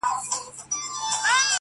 • غوجله سمبول د وحشت ښکاري ډېر,